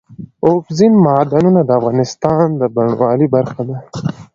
اوبزین معدنونه د افغانستان د بڼوالۍ برخه ده.